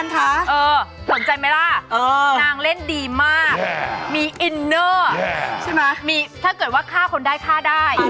สนใจไหมล่ะนางเล่นดีมากมีอินเนอร์ใช่ไหมมีถ้าเกิดว่าฆ่าคนได้ฆ่าได้